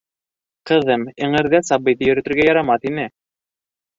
Ҡыҙым, эңерҙә сабыйҙы йөрөтөргә ярамаҫ ине...